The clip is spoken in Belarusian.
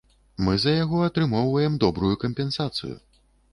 Мы за яго атрымоўваем добрую кампенсацыю.